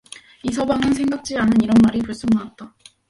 이서방은 생각지 않은 이런 말이 불쑥 나왔다.